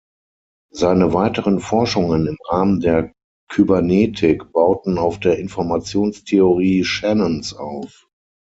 Seine weiteren Forschungen im Rahmen der Kybernetik bauten auf der Informationstheorie Shannons auf.